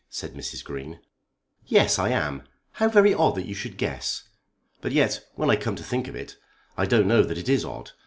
said Mrs. Green. "Yes, I am. How very odd that you should guess. But yet when I come to think of it I don't know that it is odd.